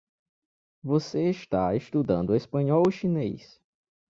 Você está estudando espanhol ou chinês?